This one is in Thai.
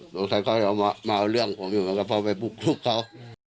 หลวงสัตว์เขามาเอาเรื่องของผมอยู่ก็พอไปบุกลูกเขา